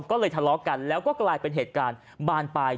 ก็เลยทะเลาะกันแล้วก็กลายเป็นเหตุการณ์บานปลาย